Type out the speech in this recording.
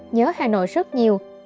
nhớ hà nội rất nhiều